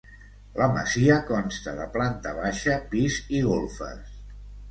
La masia consta de planta baixa, pis i golfes.